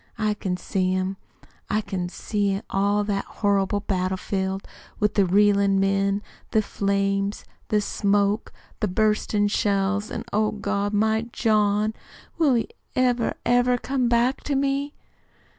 I can see him. I can see all that horrible battle field with the reelin' men, the flames, the smoke, the burstin' shells, an', oh, God my John! Will he ever, ever come back to me?"